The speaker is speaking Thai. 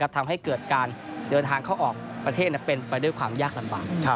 ทำให้เกิดการเดินทางเข้าออกประเทศเป็นไปด้วยความยากลำบาก